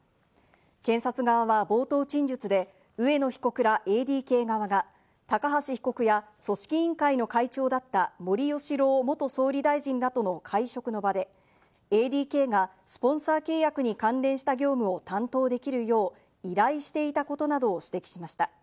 検察側は冒頭陳述で植野被告らＡＤＫ側が高橋被告や組織委員会の会長だった森喜朗元総理大臣らとの会食の場で、ＡＤＫがスポンサー契約に関連した業務を担当できるよう、依頼していたことなどを指摘しました。